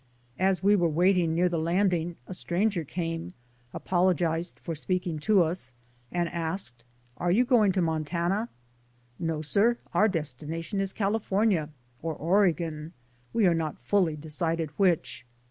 As we were waiting near the landing a stranger* came, apologized for speaking to us, and asked, "Are you going to Montana?" "No, sir, our destination is California, or Oregon ; we are not fully decided which."